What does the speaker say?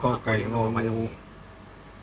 ก็ต้องทำอย่างที่บอกว่าช่องคุณวิชากำลังทำอยู่นั่นนะครับ